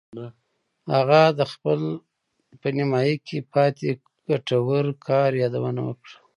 هغه د خپل په نیمایي کې پاتې ګټور کار یادونه وکړه